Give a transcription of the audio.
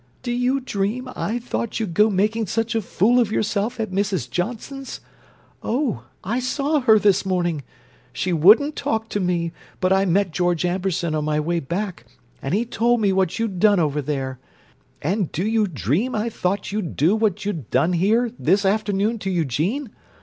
"Do you dream I thought you'd go making such a fool of yourself at Mrs. Johnson's? Oh, I saw her this morning! She wouldn't talk to me, but I met George Amberson on my way back, and he told me what you'd done over there! And do you dream I thought you'd do what you've done here this afternoon to Eugene?